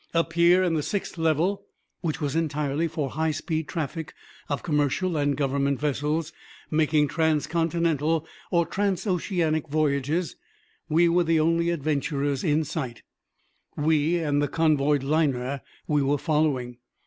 Up here in the sixth level, which was entirely for high speed traffic of commercial and government vessels making transcontinental or transoceanic voyages, we were the only adventurers in sight we and the convoyed liner we were following.